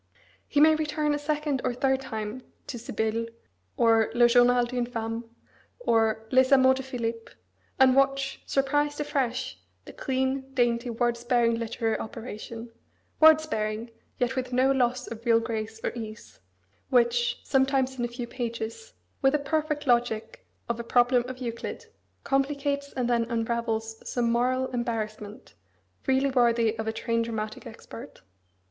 He may return a second or third time to Sibylle, or Le Journal d'une Femme, or Les Amours de Philippe, and watch, surprised afresh, the clean, dainty, word sparing literary operation (word sparing, yet with no loss of real grace or ease) which, sometimes in a few pages, with the perfect logic of a problem of Euclid, complicates and then unravels some moral embarrassment, really worthy of a trained dramatic expert.